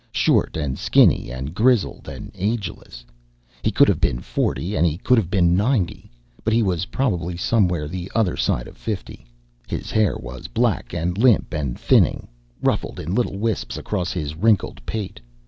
Short and skinny and grizzled and ageless. He could have been forty, and he could have been ninety, but he was probably somewhere the other side of fifty. His hair was black and limp and thinning, ruffled in little wisps across his wrinkled pate.